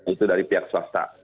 itu dari pihak soekarno hart